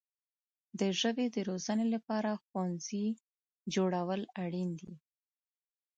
د ژبې د روزنې لپاره ښوونځي جوړول اړین دي.